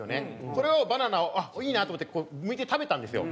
それをバナナをいいなと思ってこうむいて食べたんですよ。